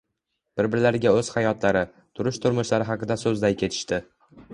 Bir-birlariga oʻz hayotlari, turish-turmushlari haqida soʻzlay ketishdi